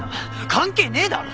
関係ねえだろ！